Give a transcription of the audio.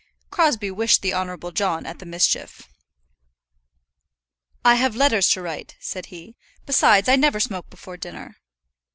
Crosbie wished the Honourable John at the mischief. "I have letters to write," said he. "Besides, I never smoke before dinner."